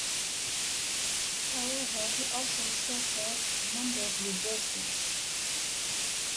However, he also suffered a number of reverses.